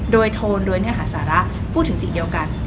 โดยโทนโดยเนื้อหาสาระพูดถึงสิ่งเดียวกัน